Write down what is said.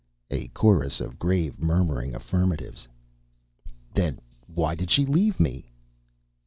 A chorus of grave, murmuring affirmatives. "Then why did she leave me?"